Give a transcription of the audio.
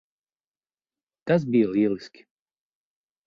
Tas bija lieliski.